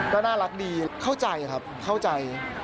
ก็น่ารักดีเข้าใจครับเข้าใจ